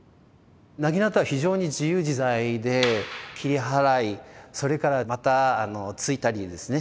薙刀は非常に自由自在で切り払いそれからまたあの突いたりですね